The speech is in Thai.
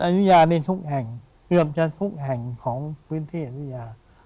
อายุยานี่ทุกแห่งเกือบจะทุกแห่งของพื้นที่อยุธยา